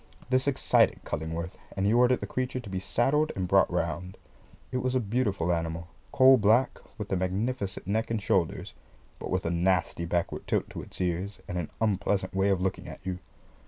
This excited Cullingworth, and he ordered the creature to be saddled and brought round. It was a beautiful animal, coal black, with a magnificent neck and shoulders, but with a nasty backward tilt to its ears, and an unpleasant way of looking at you.